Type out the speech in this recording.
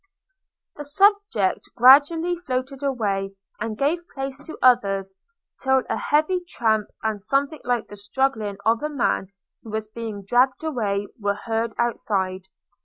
The subject gradually floated away, and gave place to others, till a heavy tramp, and something like the struggling of a man who was being dragged away, were heard outside.